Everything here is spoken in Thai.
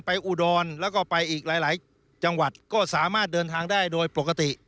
อุดรแล้วก็ไปอีกหลายจังหวัดก็สามารถเดินทางได้โดยปกติ